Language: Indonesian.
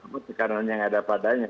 bukan karena yang ada padanya